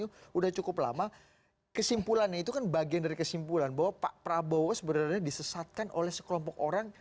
sudah cukup lama kesimpulannya itu kan bagian dari kesimpulan bahwa pak prabowo sebenarnya disesatkan oleh sekelompok orang